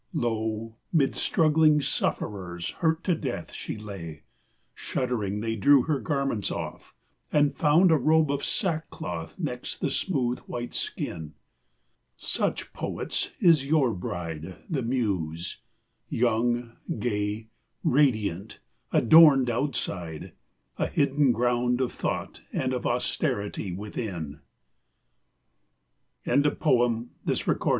Lo, Mid struggling sufferers, hurt to death, she lay! Shuddering, they drew her garments off and found A robe of sackcloth next the smooth, white skin. Such, poets, is your bride, the Muse! young, gay, Radiant, adorned outside; a hidden ground Of thought and of austerity within. _A PICTURE AT NEWSTEAD.